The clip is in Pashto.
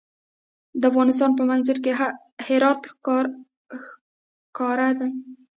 د افغانستان په منظره کې هرات ښکاره دی.